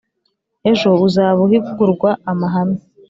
ejo uzaba uhigurwa amahame